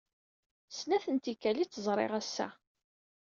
Snat n tikkal ay tt-ẓriɣ ass-a.